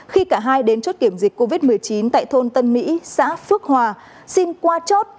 khi cả hai đến chốt kiểm dịch covid một mươi chín tại thôn tân mỹ xã phước hòa xin qua chốt